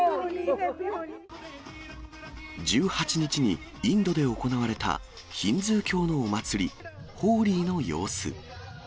１８日にインドで行われたヒンズー教のお祭り、ホーリーの様子。